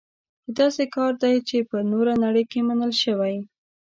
دا داسې کار دی چې په نوره نړۍ کې منل شوی.